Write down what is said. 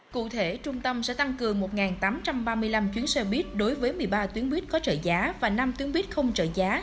cụ thể trung tâm sẽ tăng cường một tám trăm ba mươi năm chuyến xe buýt đối với một mươi ba tuyến buýt có trợ giá và năm tuyến buýt không trợ giá